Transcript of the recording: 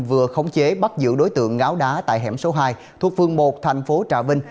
vừa khống chế bắt giữ đối tượng ngáo đá tại hẻm số hai thuộc phương một thành phố trà vinh